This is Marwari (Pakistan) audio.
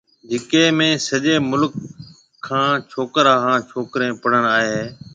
جيڪيَ ۾ سجيَ مُلڪ کان ڇوڪرا ھان ڇوڪرَي پڙھڻ آئيَ ھيََََ